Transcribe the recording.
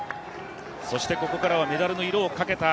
ここからはメダルの色をかけた